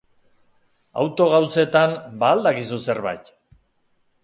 Auto-gauzetan ba al dakizu zerbait?